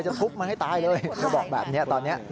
ทุบมันให้ตายเลยเธอบอกแบบนี้ตอนนี้